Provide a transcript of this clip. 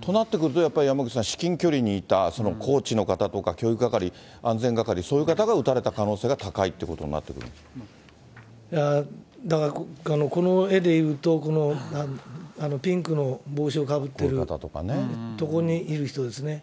となってくると、やっぱり山口さん、至近距離にいたコーチの方とか、教育係、安全係、そういう方が撃たれた可能性が高いといだから、この絵で言うと、このピンクの帽子をかぶっているところにいる人ですね。